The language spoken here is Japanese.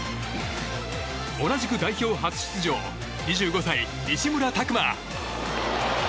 同じく代表初出場２５歳、西村拓真。